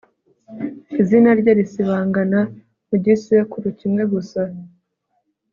izina rye risibangane mu gisekuru kimwe gusa